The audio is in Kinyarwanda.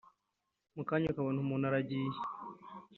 mu kanya akabona umuntu araguye,